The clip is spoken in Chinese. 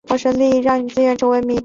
年轻时爱跳舞。